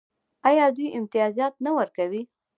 آیا دوی امتیازات نه ورکوي؟